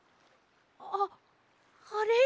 あっあれ？